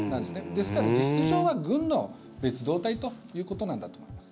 ですから、実質上は軍の別動隊ということなんだと思います。